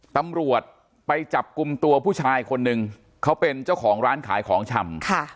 ตำรวจไปจับกลุ่มตัวผู้ชายคนหนึ่งเขาเป็นเจ้าของร้านขายของชำ